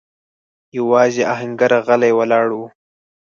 يواځې آهنګر غلی ولاړ و.